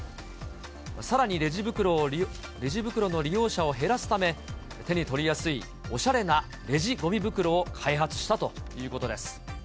さらにレジ袋の利用者を減らすため、手に取りやすいおしゃれなレジごみ袋を開発したということです。